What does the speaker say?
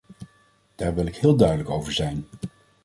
Daar wil ik heel duidelijk over zijn.